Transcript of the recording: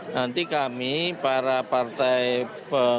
nanti kami para partai politik